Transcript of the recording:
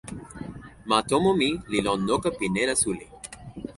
ma tomo mi li lon noka pi nena suli.